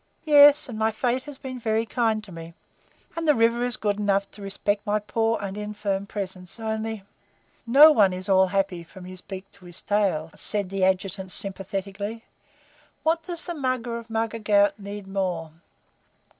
Yes, and my Fate has been very kind to me, and the river is good enough to respect my poor and infirm presence; only " "No one is all happy from his beak to his tail," said the Adjutant sympathetically. "What does the Mugger of Mugger Ghaut need more?"